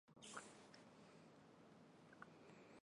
是县花樟树花的图案化。